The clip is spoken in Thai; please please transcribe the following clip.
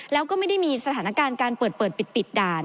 แล้วก็ไม่ได้มีสถานการณ์การเปิดเปิดปิดด่าน